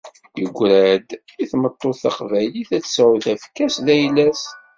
Yeggra-d i tmeṭṭut taqbaylit, ad tesεu tafekka-s d ayla-s.